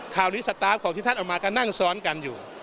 ข่าวนี้สตาร์ฟของที่ท่านเอามาก็นั่งซ้อนกันอยู่